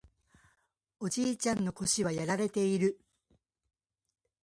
おじいちゃんの腰はやられている